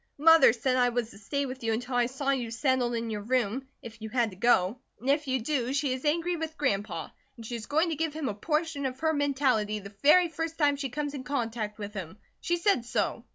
Mother said I was to stay with you until I saw you settled in your room, if you had to go; and if you do, she is angry with Grandpa, and she is going to give him a portion of her mentality the very first time she comes in contact with him. She said so."